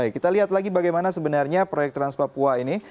kita lihat lagi bagaimana sebenarnya proyek trans papua ini